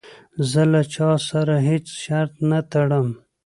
زه له تا سره هیڅ شرط نه ټړم.